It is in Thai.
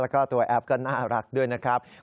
แล้วก็ตัวแอฟก็น่ารักด้วยนะครับ